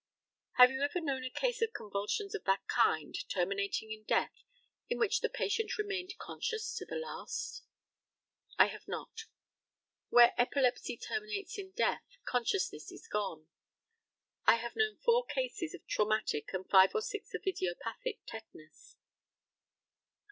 Have you ever known a case of convulsions of that kind, terminating in death, in which the patient remained conscious to the last? I have not. Where epilepsy terminates in death, consciousness is gone. I have known four cases of traumatic, and five or six of idiopathic tetanus.